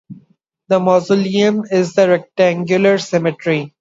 The Mausoleum is in a rectangular cemetery.